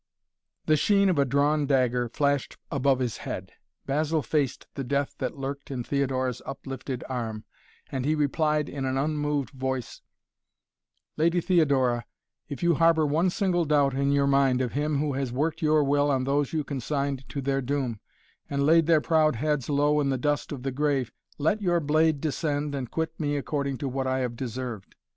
The sheen of a drawn dagger flashed above his head. Basil faced the death that lurked in Theodora's uplifted arm and he replied in an unmoved voice: "Lady Theodora, if you harbor one single doubt in your mind of him who has worked your will on those you consigned to their doom and laid their proud heads low in the dust of the grave, let your blade descend and quit me according to what I have deserved.